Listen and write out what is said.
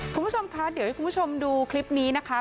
คุณผู้ชมคะเดี๋ยวให้คุณผู้ชมดูคลิปนี้นะคะ